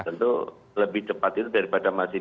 tentu lebih cepat itu daripada masih